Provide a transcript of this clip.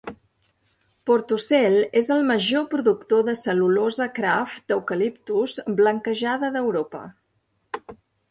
Portucel és el major productor de cel·lulosa Kraft d'eucaliptus blanquejada d'Europa.